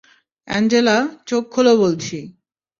Angela, চোখ খোলো বলছি!